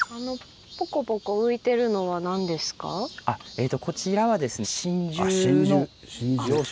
あこちらはですね